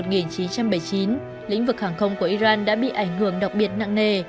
lĩnh vực hàng không của iran đã bị ảnh hưởng đặc biệt nặng nề